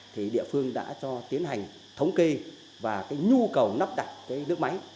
thì địa phương đã cho tiến hành thống kê và nhu cầu nắp đặt nước máy